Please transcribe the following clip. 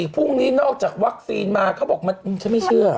๒๔พรุ่งนี้นอกจากวัคซีนมามันจะเชื่อ